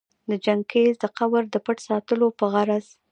د چنګیز د قبر د پټ ساتلو په غرض